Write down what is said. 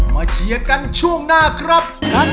เชียร์กันช่วงหน้าครับ